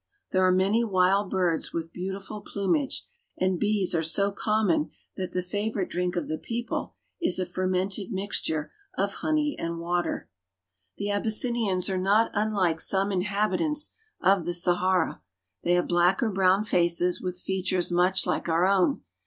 There are many wild birds with beautiful plum and bees are so common that the favorite drink of the k)ple is a fermented mixture of honey and water. 1 26 AFRICA The Abyssinians are not unlike some inhabitants of the Sahara. They have black or brown faces with features much like our own.